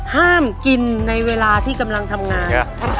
ห้ามกินในเวลาที่กำลังทำงาน